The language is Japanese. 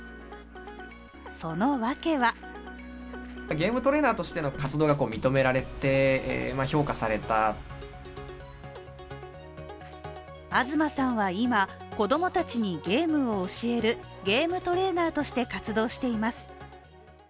その訳は東さんは今、子供たちにゲームを教えるゲームトレーナーとして活動しています。